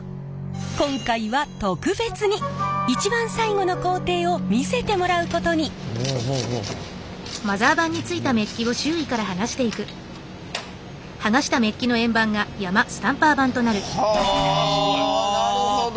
今回は特別に一番最後の工程を見せてもらうことに。はなるほど！